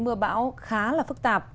mưa bão khá là phức tạp